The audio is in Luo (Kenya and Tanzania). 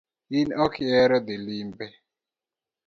In okihero dhii limbe